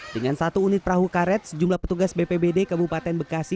dengan satu unit perahu karet sejumlah petugas bpbd kabupaten bekasi